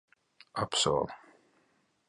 Apsolu.